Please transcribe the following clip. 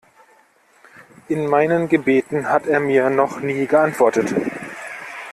In meinen Gebeten hat er mir noch nie geantwortet.